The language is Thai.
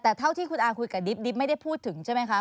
แต่เท่าที่คุณอาคุยกับดิบไม่ได้พูดถึงใช่ไหมคะ